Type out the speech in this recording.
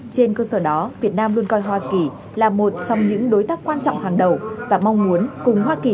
trên cơ sở đó việt nam luôn coi hoa kỳ là một trong những đối tác quan trọng hàng đầu và mong muốn cùng hoa kỳ